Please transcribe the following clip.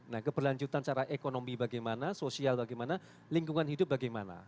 nah keberlanjutan secara ekonomi bagaimana sosial bagaimana lingkungan hidup bagaimana